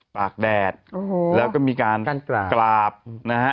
ปากแดดแล้วก็มีการกราบนะฮะ